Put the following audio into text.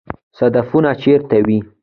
صدفونه چیرته وي؟